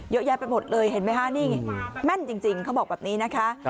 เยอะแยะไปหมดเลยเห็นไหมคะนี่แม่นจริงเขาบอกแบบนี้นะคะ